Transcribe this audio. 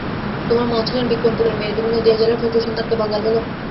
তোমার মা ছিলেন বিক্রমপুরের মেয়ে, তুমি নদীয়া জেলার ভদ্র-সন্তানকে বাঙাল বল?